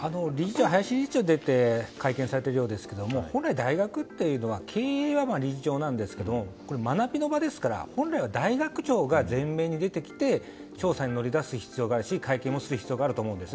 林理事長が会見をされているようですが本来、大学というのは経営は理事長なんですが学びの場ですから本来は大学長が前面に出てきて調査に乗り出す必要会見する必要があると思います。